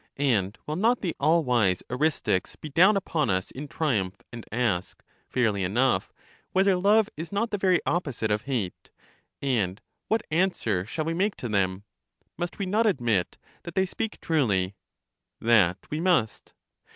and will not the all wise eristics be down upon us in triumph, and ask, fairly enough, whether love is not the very opposite of hate ? and what answer shall we make to them? must we not admit that they speak truly? That we must.